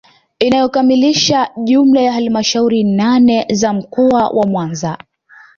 Inayokamilisha jumla ya halmashauri nane za mkoa wa Mwanza